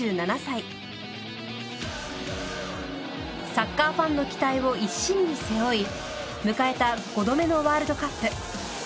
サッカーファンの期待を一身に背負い迎えた５度目のワールドカップ。